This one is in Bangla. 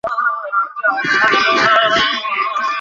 চুলের গোড়া মজবুত করে এবং মাথার ত্বকে রক্ত সঞ্চালন বৃদ্ধি করে।